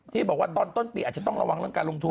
ที่บอกว่าตอนต้นปีอาจจะต้องระวังเรื่องการลงทุน